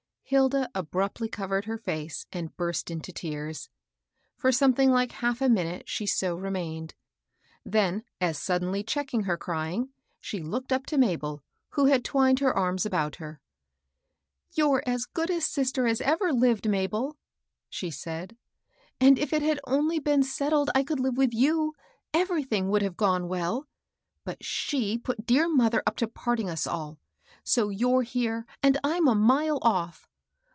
Hilda abruptly covered her fece and burst into tears. For something like half a minute, sk| so remained ; then as suddenly checking her crying, she looked up to Mabd, who had twined her arms about her. " You're a good sister as ever lived, Mabel,*' she said ;^^ and if it had only been settled I could Uve with you, everything would have gone well. But she put dear mother up to parting us all ; so you're here, and I'm a mile off.